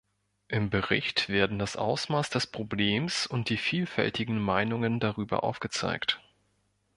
Im Bericht werden das Ausmaß des Problems und die vielfältigen Meinungen darüber aufgezeigt.